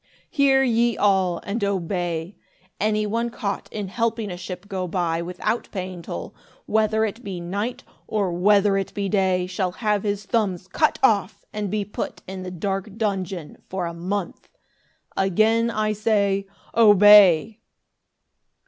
"Hear ye all and obey. Any one caught in helping a ship go by without paying toll, whether it be night, or whether it be day, shall have his thumbs cut off and be put in the dark dungeon for a month. Again I say, Obey!"